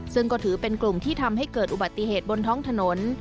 ซึ่งก็ถือเป็นกลุ่มที่ทำให้เกิดอุบัติเหตุบนท้องถนน